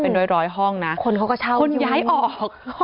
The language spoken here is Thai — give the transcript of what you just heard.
เป็นโดยร้อยห้องนะคนย้ายออก